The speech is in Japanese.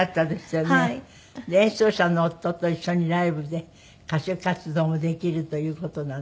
演奏者の夫と一緒にライブで歌手活動もできるという事なんで。